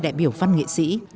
sáu mươi đại biểu văn nghệ sĩ